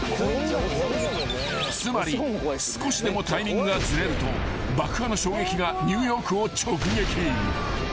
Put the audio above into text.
［つまり少しでもタイミングがずれると爆破の衝撃がニューヨークを直撃］